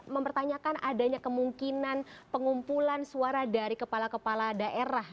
mempertanyakan adanya kemungkinan pengumpulan suara dari kepala kepala daerah